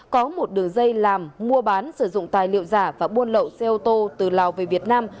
có một đường dây làm mua bán sử dụng tài liệu giả và buôn lậu xe ô tô từ lào về việt nam